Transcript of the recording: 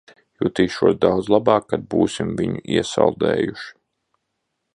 Jutīšos daudz labāk, kad būsim viņu iesaldējuši.